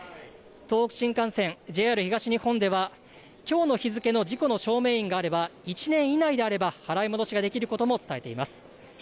東北新幹線、ＪＲ東日本ではきょうの日付の事故の証明印があれば１年以内であれば、払い戻しができることも伝えています。